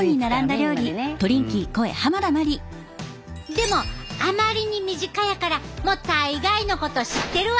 でもあまりに身近やから「もう大概のこと知ってるわ！」